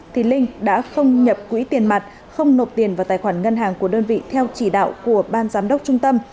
thì linh đã không nhập quỹ tiền mặt không nộp tiền vào tài khoản ngân hàng của đơn vị theo chỉ đạo của ban giám đốc trung tâm